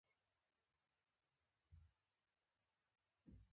د شرابو، تا زما خبره واورېده، ما څه ونه ویل.